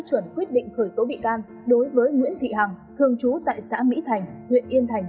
chuẩn quyết định khởi tố bị can đối với nguyễn thị hằng thường trú tại xã mỹ thành huyện yên thành